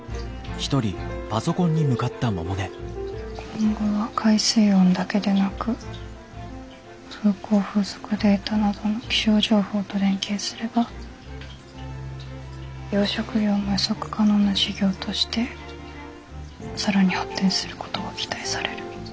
「今後は海水温だけでなく風向・風速データなどの気象情報と連携すれば養殖業も予測可能な事業としてさらに発展することが期待される」。